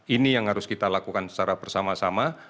ini yang harus kita lakukan secara bersama sama